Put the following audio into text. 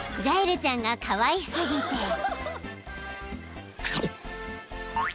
［ジャエルちゃんがかわい過ぎて］